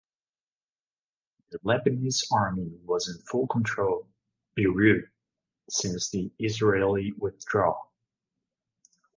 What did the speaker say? The Lebanese army was in full control Beirut since the Israeli withdrawal.